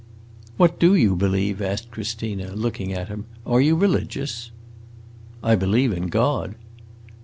"What do you believe?" asked Christina, looking at him. "Are you religious?" "I believe in God."